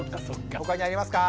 他にありますか？